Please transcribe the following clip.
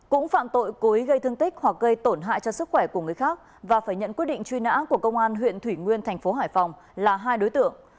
cũng phạm tội cố ý gây thương tích hoặc gây tổn hại cho sức khỏe của người khác và phải nhận quyết định truy nã của công an huyện thủy nguyên thành phố hải phòng là hai đối tượng